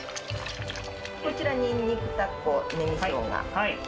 こちら、にんにく、タコ、ねぎしょうが。